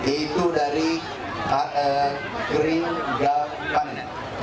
itu dari kering dan panen